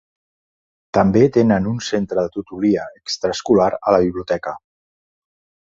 També tenen un centre de tutoria extraescolar a la biblioteca.